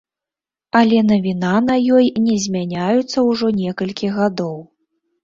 Але навіна на ёй не змяняюцца ўжо некалькі гадоў.